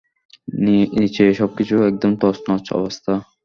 নিচে সবকিছু একদম তছনছ অবস্থা!